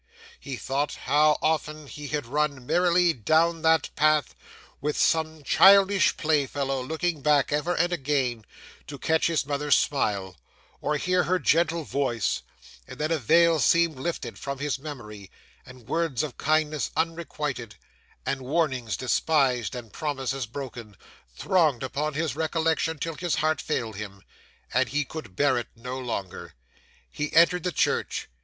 He thought how often he had run merrily down that path with some childish playfellow, looking back, ever and again, to catch his mother's smile, or hear her gentle voice; and then a veil seemed lifted from his memory, and words of kindness unrequited, and warnings despised, and promises broken, thronged upon his recollection till his heart failed him, and he could bear it no longer. 'He entered the church.